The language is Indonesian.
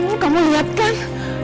citra kamu lihat kan